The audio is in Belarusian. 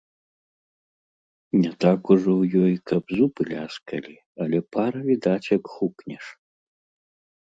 Не так ужо ў ёй, каб зубы ляскалі, але пара відаць, як хукнеш.